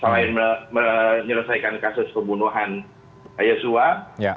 selain menyelesaikan kasus pembunuhan yosua